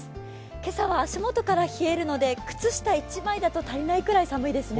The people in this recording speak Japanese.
今朝は足元から冷えるので靴下１枚だと足りないぐらい寒いですね。